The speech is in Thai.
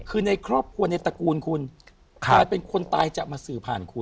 คือในครอบครัวในตระกูลคุณกลายเป็นคนตายจะมาสื่อผ่านคุณ